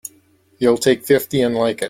You'll take fifty and like it!